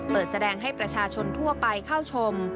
เปิดแสดงให้ประชาชนทั่วไปเข้าชม